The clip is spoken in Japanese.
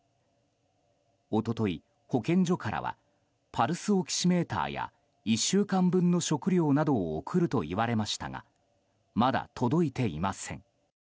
一昨日、保健所からはパルスオキシメーターや１週間分の食料などを送ると言われましたがまだ届いていません。